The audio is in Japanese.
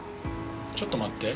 ちょっと待って。